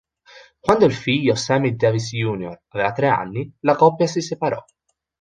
Quando il figlio Sammy Davis Jr. aveva tre anni, la coppia si separò.